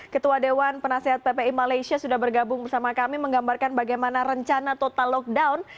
ketua dewan penasehat ppi malaysia sudah bergabung bersama kami menggambarkan bagaimana rencana total lockdown